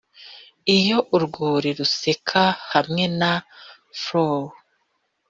iyo urwuri ruseka hamwe na flow'rs;